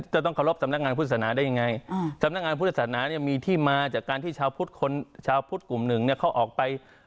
จะต้องเคารพสำนักงานพุทธศนาได้ยังไงสำนักงานพุทธศาสนาเนี่ยมีที่มาจากการที่ชาวพุทธคนชาวพุทธกลุ่มหนึ่งเนี่ยเขาออกไป